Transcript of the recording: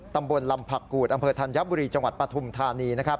ตำบลลำผักกูดอำเภอธัญบุรีจังหวัดปฐุมธานี